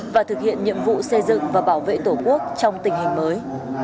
và thực hiện nhiệm vụ xây dựng và bảo vệ tổ quốc trong tình hình mới